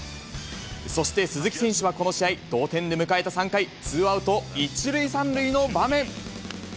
そして、鈴木選手はこの試合、同点で迎えた３回、ツーアウト１塁３塁の場面。